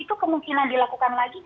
itu kemungkinan dia lakukan kekerasan